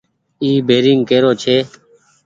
اي بيرينگ ڪي رو ڇي ۔